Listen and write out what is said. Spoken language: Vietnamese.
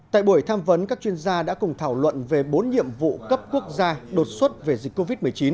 tại buổi tham vấn các chuyên gia đã cùng thảo luận về bốn nhiệm vụ cấp quốc gia đột xuất về dịch covid một mươi chín